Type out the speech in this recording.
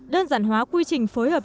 đơn giản hóa quy trình phối hợp